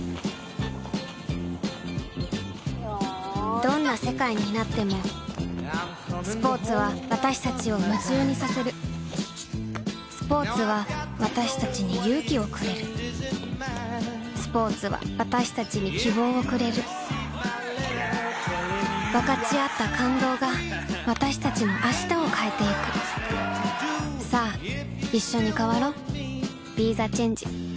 どんな世界になってもスポーツは私たちを夢中にさせるスポーツは私たちに勇気をくれるスポーツは私たちに希望をくれる分かち合った感動が私たちの明日を変えてゆくさあいっしょに変わろう